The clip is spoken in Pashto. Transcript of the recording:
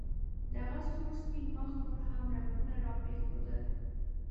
د هغه سور سپین مخ نور هم رنګونه راپرېښودل